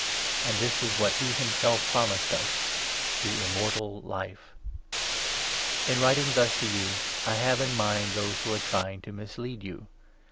And this is what he himself promised us — 25 The Immortal Life ! In writing thus to you, I have in mind those 26 The who are trying to mislead you.